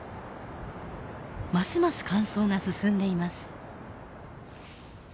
ますます乾燥が進んでいます。